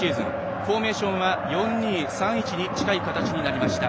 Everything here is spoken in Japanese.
フォーメーションは４−２−３−１に近い形になりました。